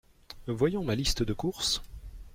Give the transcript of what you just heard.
Voyons ma liste de courses…